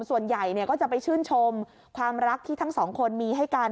ส่วนใหญ่ก็จะไปชื่นชมความรักที่ทั้งสองคนมีให้กัน